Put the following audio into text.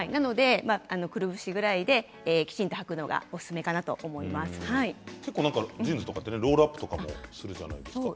くるぶしぐらいできちんとはくのがおすすめかなとジーンズってロールアップとかもするじゃないですか。